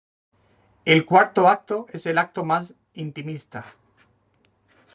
El cuarto acto es el acto más intimista.